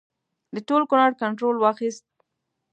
د ټول کنړ کنټرول واخیست.